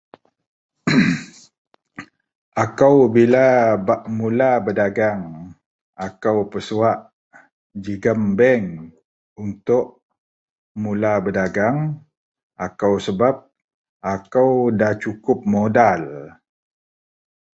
ehmm.. akou bila bak mula berdagang, akou pesuwak jegum bank untuk mula berdagang, akou sebab akou da cukup modal